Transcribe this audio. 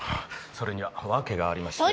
それにはワケがありまして。